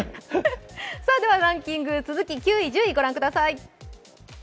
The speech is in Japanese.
ではランキング、続き９位、１０位、ご覧ください。